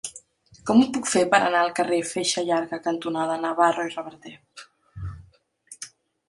Com ho puc fer per anar al carrer Feixa Llarga cantonada Navarro i Reverter?